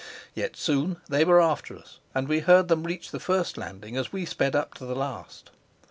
Yet, soon they were after us, and we heard them reach the first landing as we sped up to the last.